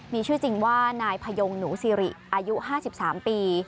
มีชื่อจริงว่านายพยงหนูซิริอายุ๕๓ปี